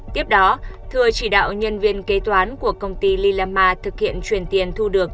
tiếp đó thừa chỉ đạo nhân viên kế toán của công ty lillama thực hiện chuyển tiền thu được